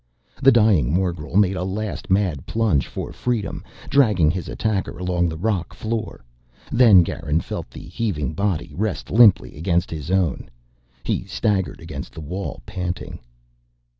The dying morgel made a last mad plunge for freedom, dragging his attacker along the rock floor. Then Garin felt the heaving body rest limply against his own. He staggered against the wall, panting.